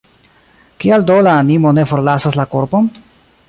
Kial do la animo ne forlasas la korpon?